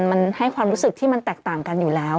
มันให้ความรู้สึกที่มันแตกต่างกันอยู่แล้ว